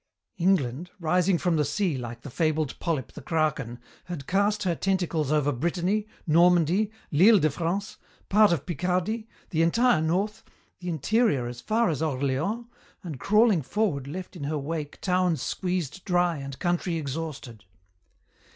"England, rising from the sea like the fabled polyp the Kraken, had cast her tentacles over Brittany, Normandy, l'Ile de France, part of Picardy, the entire North, the Interior as far as Orléans, and crawling forward left in her wake towns squeezed dry and country exhausted.